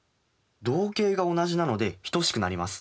動径が同じなので等しくなります。